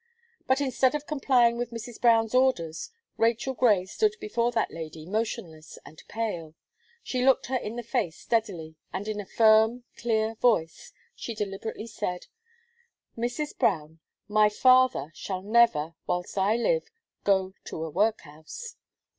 But, instead of complying with Mrs. Brown's orders, Rachel Gray stood before that lady motionless and pale. She looked her in the face steadily, and in a firm, clear voice, she deliberately said: "Mrs. Brown, my father shall never, whilst I live, go to a workhouse."